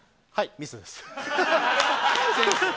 ミスです。